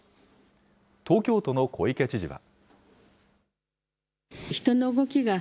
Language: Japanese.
東京都の小池知事は。